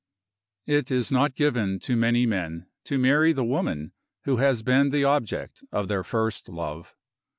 It is not given to many men to marry the woman who has been the object of their first love.